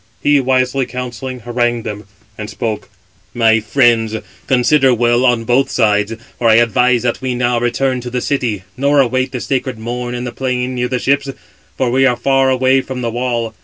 He wisely counselling, harangued them, and spoke: "My friends, consider well on both sides; for I advise that we now return to the city, nor await the sacred Morn in the plain near the ships; for we are far away from the wall.